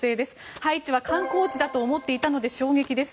ハイチは観光地だと思っていたので衝撃です。